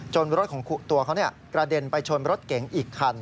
รถของตัวเขากระเด็นไปชนรถเก๋งอีกคัน